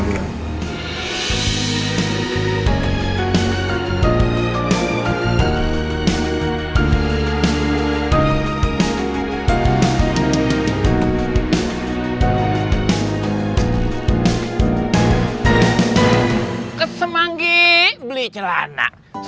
kenapa kamu tau bisa gak